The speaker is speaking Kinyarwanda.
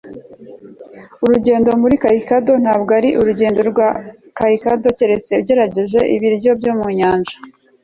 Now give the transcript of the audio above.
urugendo muri hokkaido ntabwo ari urugendo rwa hokkaido keretse ugerageje ibiryo byo mu nyanja